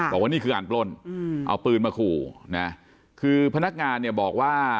บอกว่านี่คือการปล้นเอาปืนมาขู่นะคือพนักงานเนี่ยบอกว่า